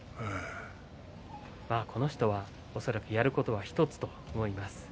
この人はやることは１つと思います。